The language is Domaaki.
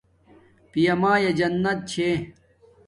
پیامایا جنت چھے